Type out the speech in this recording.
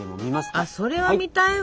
あそれは見たいわ！